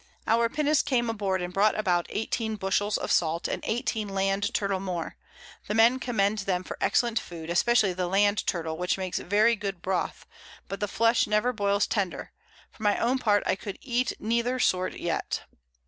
Our Pinnace came aboard and brought about 18 Bushells of Salt, and 18 Land Turtle more; the Men commend them for excellent Food, especially the Land Turtle, which makes very good Broth, but the Flesh never boils tender: for my own part, I could eat neither sort yet.